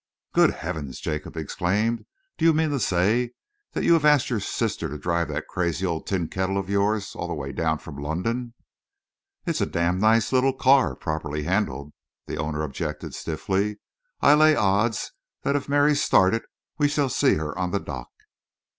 "Good heavens!" Jacob exclaimed. "Do you mean to say that you have asked your sister to drive that crazy old tin kettle of yours all the way down from London?" "It's a damned nice little car, properly handled," its owner objected stiffly. "I'll lay odds that if Mary started we shall see her on the dock."